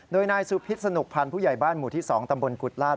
โดยนายสุพิษสนุกพันธ์ผู้ใหญ่บ้านหมู่ที่๒ตำบลกุฎลาศ